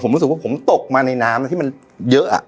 ผมรู้สึกว่าผมตกมาในน้ำที่มันเยอะ